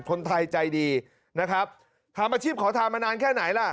คนไทยใจดีนะครับทำอาชีพขอทานมานานแค่ไหนล่ะ